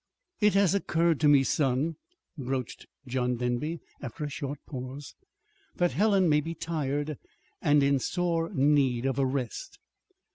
"It has occurred to me, son," broached John Denby, after a short pause, "that Helen may be tired and in sore need of a rest."